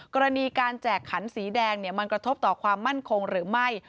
กรณีการแจกขันสีแดงมันกระทบต่อความมั่นคงหรือไม่